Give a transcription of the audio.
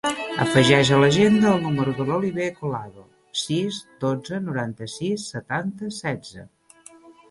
Afegeix a l'agenda el número de l'Oliver Colado: sis, dotze, noranta-sis, setanta, setze.